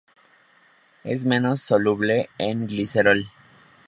Es menos soluble en glicerol.